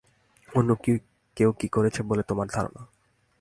অন্য কেউ কি করেছে বলে তোমার ধারণা?